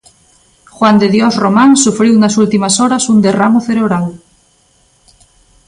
Juan De Dios Román sufriu nas últimas horas un derramo cerebral.